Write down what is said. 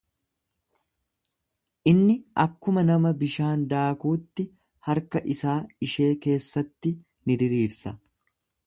Inni akkuma nama bishaan daakuutti harka isaa ishee keessatti ni diriirsa.